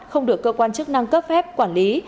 không được cơ quan chức năng cấp phép quản lý